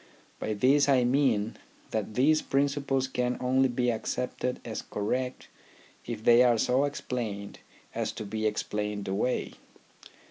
By this I mean that these principles can only be accepted as correct if they are so explained as to be explained away.